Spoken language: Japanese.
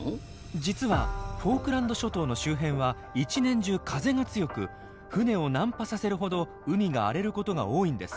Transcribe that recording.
実はフォークランド諸島の周辺は一年中風が強く船を難破させるほど海が荒れることが多いんです。